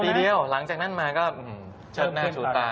ปีเดียวหลังจากนั้นมาก็เชิดหน้าชูตา